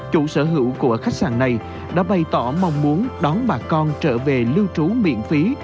chủ sở hữu của khách sạn này đã bày tỏ mong muốn đón bà con trở về lưu trú miễn phí